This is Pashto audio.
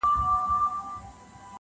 • پر شهباز به یې یوه نیمه غزل وي -